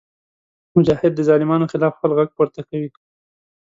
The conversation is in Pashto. مجاهد د ظالمانو خلاف خپل غږ پورته کوي.